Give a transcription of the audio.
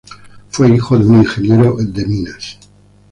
Fue hijo de un ingeniero en minas.